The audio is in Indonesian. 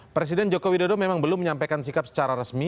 presiden joko widodo memang belum menyampaikan sikap secara resmi